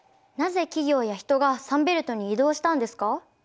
なぜ企業や人がサンベルトに移動したんですか？